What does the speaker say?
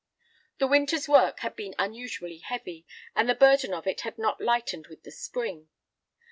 The winter's work had been unusually heavy, and the burden of it had not lightened with the spring.